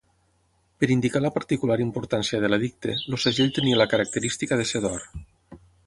Per indicar la particular importància de l'edicte, el segell tenia la característica de ser d'or.